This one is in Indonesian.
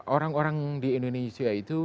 orang orang di indonesia itu